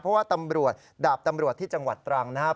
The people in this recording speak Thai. เพราะว่าตำรวจดาบตำรวจที่จังหวัดตรังนะครับ